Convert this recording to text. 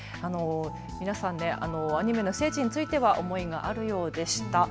皆さん、アニメの聖地については思いがあるようでした。